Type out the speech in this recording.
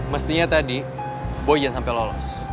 mestinya tadi boy jangan sampai lolos